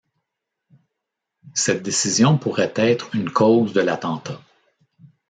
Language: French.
Cette décision pourrait être une cause de l'attentat.